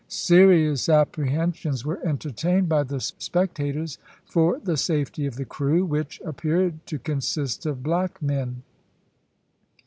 Serious apprehensions were entertained by the spectators for the safety of the crew, which appeared to consist of black men.